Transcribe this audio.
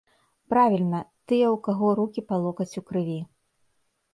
Правільна, тыя, у каго рукі па локаць у крыві.